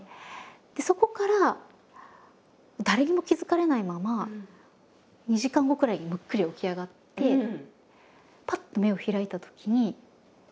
そこから誰にも気付かれないまま２時間後くらいにむっくり起き上がってへえ！